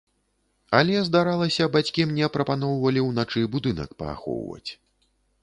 Але, здаралася, бацькі мне прапаноўвалі ўначы будынак паахоўваць.